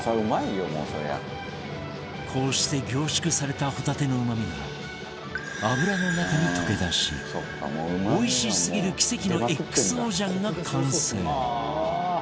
こうして凝縮されたホタテのうまみが油の中に溶け出しおいしすぎる奇跡の ＸＯ 醤が完成